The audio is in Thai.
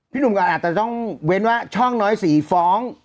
หนุ่มก็อาจจะต้องเว้นว่าช่องน้อยสีฟ้อง